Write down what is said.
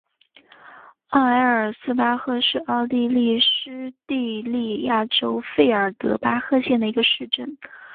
奥埃尔斯巴赫是奥地利施蒂利亚州费尔德巴赫县的一个市镇。